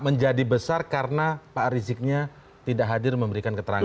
menjadi besar karena pak riziknya tidak hadir memberikan keterangan